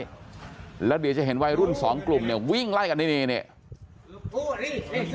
แล้วเดี๋ยวจะเห็นวัยรุ่นสองกลุ่มเนี่ยวิ่งไล่กันนี่นี่